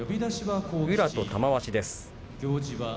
宇良と玉鷲です。